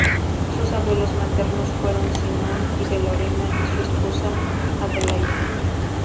Sus abuelos maternos fueron Simón I de Lorena y su esposa Adelaida.